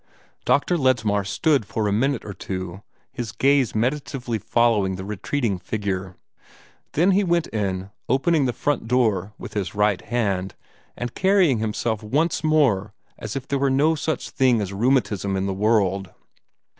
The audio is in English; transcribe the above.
Dr. Ledsmar stood for a minute or two, his gaze meditatively following the retreating figure. Then he went in, opening the front door with his right hand, and carrying himself once more as if there were no such thing as rheumatism in the world.